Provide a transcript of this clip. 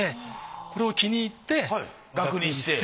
これを気に入って額にして。